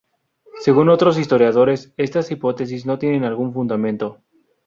Según otros historiadores estas hipótesis no tienen algún fundamento.